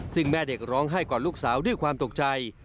ซึ่งแม่เด็กร้องไห้ก่อนลูกสาวด้วยความตกใจ